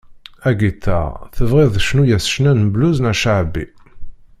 Agiṭar, tebɣiḍ cnu yess ccna n blues neɣ ceɛbi.